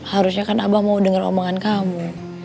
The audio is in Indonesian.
harusnya kan abah mau dengar omongan kamu